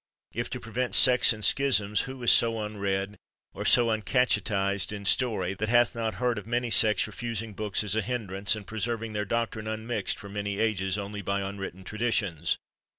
If to prevent sects and schisms, who is so unread 95 THE WORLD'S FAMOUS ORATIONS or so uncatechized in story, that hath not heard of many sects refusing books as a hindrance, and preserving their doctrine unmixed for many ages, only by unwritten traditions?